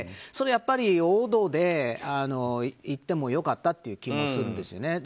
それは、やっぱり王道でいってもよかったという気がするとおもうんですね。